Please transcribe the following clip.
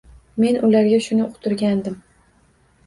Men ularga shuni uqtirgandim